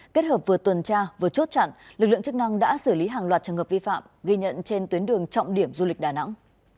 kết hợp vừa tuần tra vừa chốt chặn lực lượng chức năng đã xử lý hàng loạt trường hợp vi phạm ghi nhận trên tuyến đường trọng điểm du lịch đà nẵng